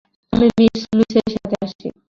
আমি মিস লুইসের সাথে আছি।